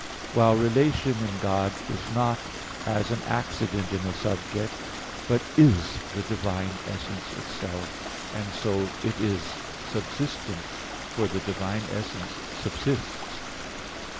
2, 3), while relation in God is not as an accident in a subject, but is the divine essence itself; and so it is subsistent, for the divine essence subsists.